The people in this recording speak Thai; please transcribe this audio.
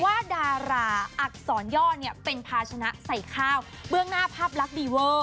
ว่าดาราอักษรย่อเนี่ยเป็นภาชนะใส่ข้าวเบื้องหน้าภาพลักษณ์ดีเวอร์